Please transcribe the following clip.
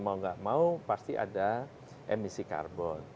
mau nggak mau pasti ada emisi karbon